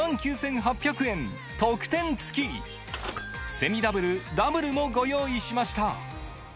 セミダブルダブルもご用意しました